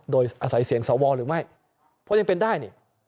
โดยอาศัยเสียงสวหรือไม่เพราะยังเป็นได้นี่